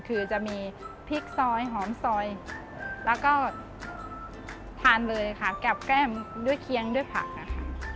คือจะมีพริกซอยหอมซอยแล้วก็ทานเลยค่ะแกบแก้มด้วยเคียงด้วยผักอะค่ะ